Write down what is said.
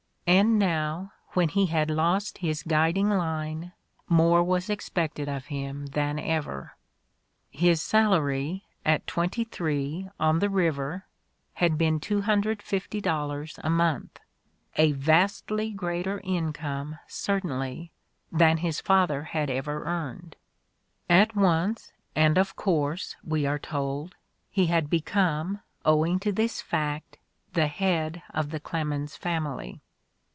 And now, when he had lost his guiding line, more was expected of him than ever! His salary, at twenty three, on the river, had been $250 a month, a vastly greater income certainly than his father had ever earned: at once and of course, we are told, he had be come, owing to this fact, the head of the Clemens family.